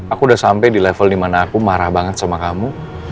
aku udah sampai di level dimana aku marah banget sama kamu